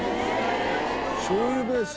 しょう油ベース？